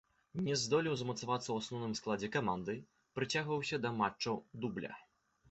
Не здолеў замацавацца ў асноўным складзе каманды, прыцягваўся да матчаў дубля.